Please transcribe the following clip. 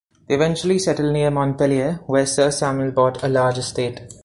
They eventually settled near Montpellier where Sir Samuel bought a large estate.